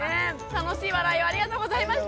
楽しい笑いをありがとうございました！